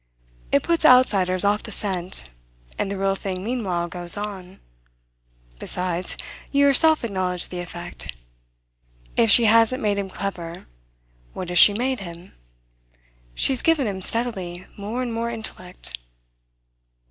It puts outsiders off the scent, and the real thing meanwhile goes on. Besides, you yourself acknowledge the effect. If she hasn't made him clever, what has she made him? She has given him, steadily, more and more intellect."